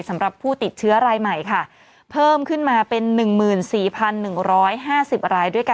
สำหรับผู้ติดเชื้อรายใหม่ค่ะเพิ่มขึ้นมาเป็น๑๔๑๕๐รายด้วยกัน